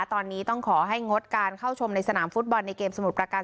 ตอนนี้ต้องขอให้งดการเข้าชมในสนามฟุตบอลในเกมสมุทรประการ